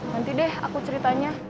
nanti deh aku ceritanya